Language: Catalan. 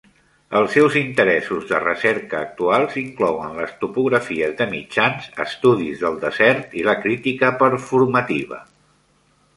Els seus interessos de recerca actuals inclouen les topografies de mitjans, estudis del desert i la crítica performativa.